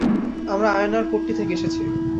আমরা আয়ানারপট্টি থেকে এসেছি।